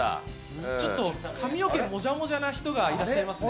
ちょっと髪の毛もじゃもじゃな人がいらっしゃいますね。